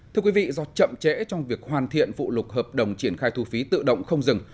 thưa quý vị do chậm trễ trong việc hoàn thiện vụ lục hợp đồng triển khai thu phí tự động không dừng